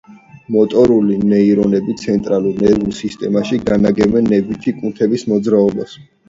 მოტორული ნეირონები ცენტრალურ ნერვულ სისტემაში განაგებენ ნებითი კუნთების მოძრაობას.